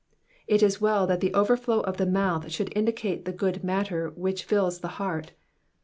^'' It is well that the overflow of the mouth should indicate the ^ood matter which fills the heart.